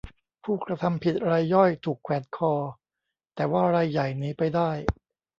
ผู้กระทำผิดรายย่อยถูกแขวนคอ แต่ว่ารายใหญ่หนีไปได้